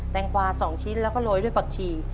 งกวา๒ชิ้นแล้วก็โรยด้วยผักชี